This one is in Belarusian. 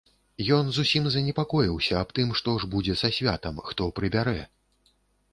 Ён зусім занепакоіўся аб тым, што ж будзе са святам, хто прыбярэ?